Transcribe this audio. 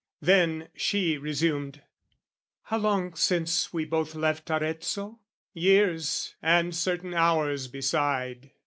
Then she resumed. "How long since we both left "Arezzo?" "Years and certain hours beside."